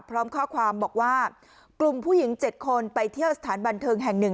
พร้อมข้อความบอกว่ากลุ่มผู้หญิง๗คนไปเที่ยวสถานบันเทิงแห่งหนึ่ง